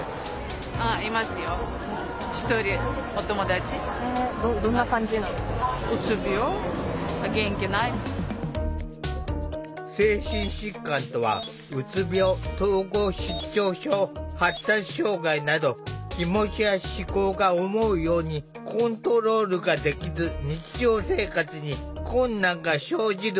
突然ですが精神疾患とはうつ病統合失調症発達障害など気持ちや思考が思うようにコントロールができず日常生活に困難が生じる病気。